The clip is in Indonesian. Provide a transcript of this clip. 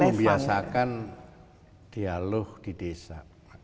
membiasakan dialog di desa